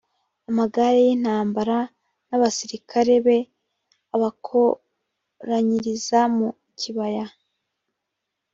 amagare y’ intambara n’ abasirikare be abakoranyiriza mu kibaya.